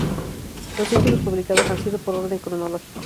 Los títulos publicados han sido, por orden cronológicoː